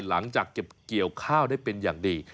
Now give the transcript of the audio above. หลังจากเก็บเกี่ยวข้าวได้เป็นอย่างดี